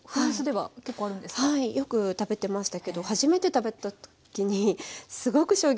はいよく食べてましたけど初めて食べたときにすごく衝撃を受けました。